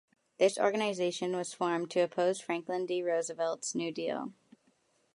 This organization was formed to oppose Franklin D. Roosevelt's New Deal.